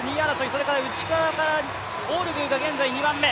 それから内側からオールグーが現在２番目。